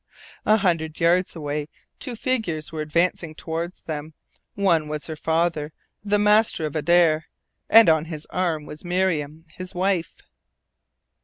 A hundred yards away two figures were advancing toward them. One was her father, the master of Adare. And on his arm was Miriam his wife.